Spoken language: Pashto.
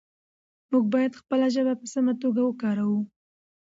موږ باید خپله ژبه په سمه توګه وکاروو